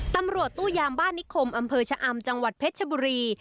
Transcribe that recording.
ตู้ยามบ้านนิคมอำเภอชะอำจังหวัดเพชรชบุรี